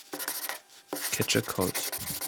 Catch a cold